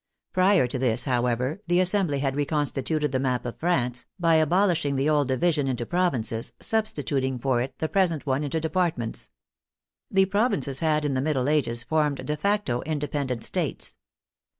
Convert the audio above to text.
Prior to this, however, the Assembly had reconstituted the map of France, by abolish ing the old division into provinces, substituting for it the present one into departments. The provinces had in the middle ages formed de facto independent states.